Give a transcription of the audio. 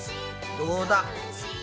どうだ？